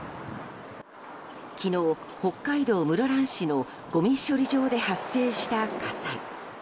昨日、北海道室蘭市のごみ処理場で発生した火災。